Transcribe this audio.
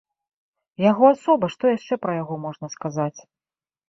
Яго асоба, што яшчэ пра яго можна сказаць.